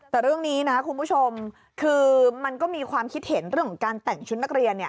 แต่เรื่องนี้นะคุณผู้ชมคือมันก็มีความคิดเห็นเรื่องของการแต่งชุดนักเรียนเนี่ย